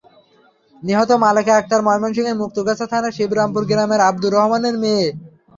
নিহত মালেকা আক্তার ময়মনসিংহের মুক্তাগাছা থানার শিবরামপুর গ্রামের আবদুর রহমানের মেয়ে।